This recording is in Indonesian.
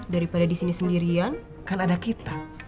daripada di sini sendirian kan ada kita